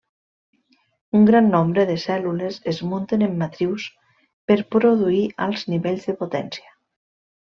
Un gran nombre de cèl·lules es munten en matrius per produir alts nivells de potència.